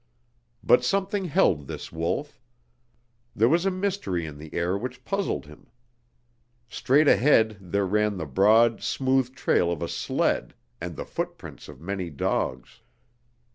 But something held this wolf. There was a mystery in the air which puzzled him. Straight ahead there ran the broad, smooth trail of a sled and the footprints of many dogs.